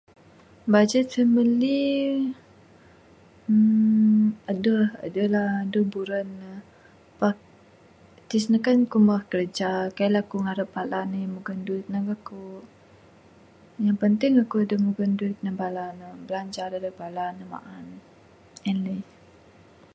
Budget sien , mung ni, uhh aduh lah aduh buran ne. Pak, tik seh kan kuk mbuh kraja. Kaik lah kuk ngarap bala ne mugon duit ndug akuk. Yang penting akuk duh nyugon duit ndug bala ne, blanja dadeg bala ne maan. En.